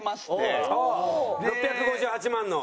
ああ６５８万の。